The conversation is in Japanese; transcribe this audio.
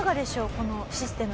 このシステム。